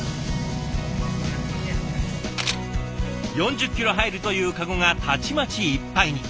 ４０キロ入るという籠がたちまちいっぱいに。